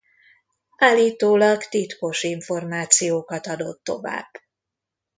Állítólag titkos információkat adott tovább.